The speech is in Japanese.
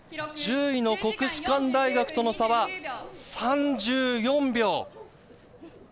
１０位の国士舘大学との差は３４秒。